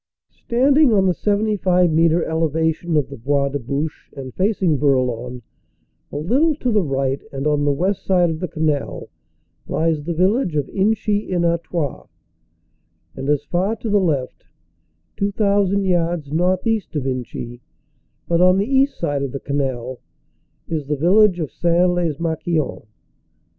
Standing on the 75 metre elevation of the Bois de Bouche and facing Bourlon, a little to the right and on the west side of the canal lies the village of Inchy en Artois, and as far to the left, 2,000 yards northeast of Inchy but on the east side of the canal, is the village of Sains lez Marquion.